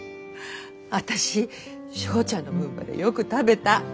私正ちゃんの分までよく食べた。